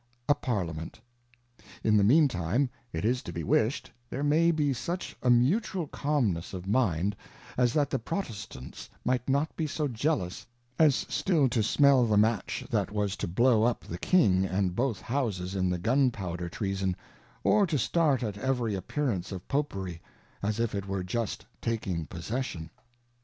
a Parligojieut ; in_the_ mean time, it is to be wished there may be such a mut ual calm _ ness of Mind, as that the Protestants might not be so jealous^ as still to smell the Match that was to blove up the JKing^and both Houses in the Gunpowder Treason, or to start at every appearance of Popery, as if it were just taking Possession.